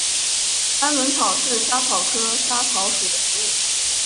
三轮草是莎草科莎草属的植物。